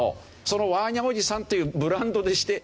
そのワーニャおじさんというブランドでして。